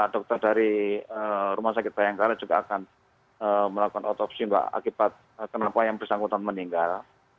dokter dari rumah sakit bayangkara juga akan melakukan otopsi mbak akibat kenapa yang bersangkutan meninggal